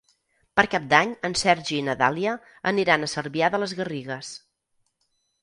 Per Cap d'Any en Sergi i na Dàlia aniran a Cervià de les Garrigues.